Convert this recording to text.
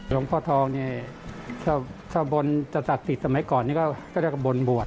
หลงพ่อทองเนี่ยชาวบลจัดศักดิ์สิทธิ์สมัยก่อนนี่ก็เรียกว่าบลบวช